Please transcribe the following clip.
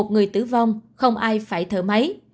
một người tử vong không ai phải thở máy